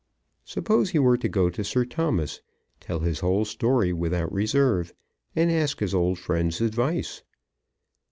Suppose he were to go to Sir Thomas, tell his whole story without reserve, and ask his old friend's advice!